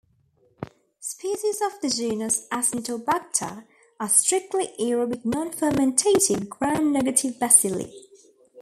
Species of the genus "Acinetobacter" are strictly aerobic, nonfermentative, Gram-negative bacilli.